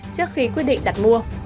trước khi quyết định đặt mua